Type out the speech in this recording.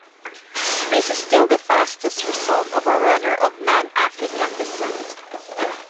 This is still the fastest result of a runner of non-African descent.